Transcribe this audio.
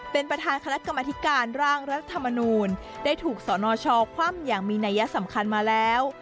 เป็นประธานคณะกรรมธิการร่างรัฐธรรมนูลได้ถูกสนชคว่ำอย่างมีนัยสำคัญมาแล้ว